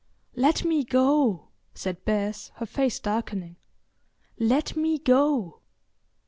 "Let me go," said Bess, her face darkening. "Let me go."